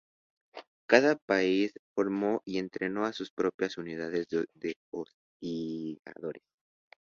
Cada país formó y entrenó a sus propias unidades de hostigadores.